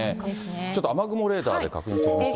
ちょっと雨雲レーダーで確認してみましょう。